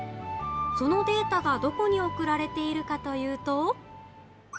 そのデータがどこに送られているかというと。